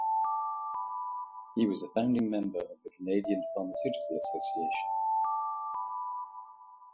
He was a founding member of the Canadian Pharmaceutical Association.